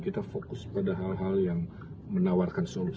kita fokus pada hal hal yang menawarkan solusi